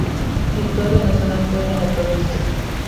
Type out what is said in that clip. Situado en la zona sur de la provincia.